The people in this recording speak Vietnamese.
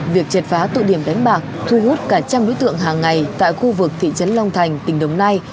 việc triệt phá tụ điểm đánh bạc thu hút cả trăm đối tượng hàng ngày tại khu vực thị trấn long thành tỉnh đồng nai